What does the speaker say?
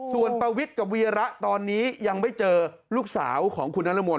ส่วนประวิทย์กับวีระตอนนี้ยังไม่เจอลูกสาวของคุณนรมนต